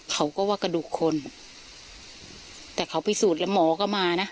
เขาก็ว่ากระดูกคนแต่เขาพิสูจน์แล้วหมอก็มานะ